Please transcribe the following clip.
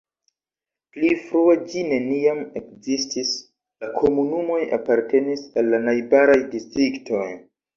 Pli frue ĝi neniam ekzistis, la komunumoj apartenis al la najbaraj distriktoj.